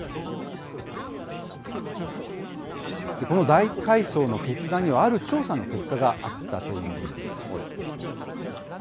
この大改装の決断には、ある調査の結果があったというんです。